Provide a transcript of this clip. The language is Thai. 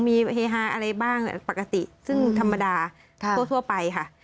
มีเฮฮาอะไรบ้างปกติซึ่งธรรมดาทั่วไปค่ะ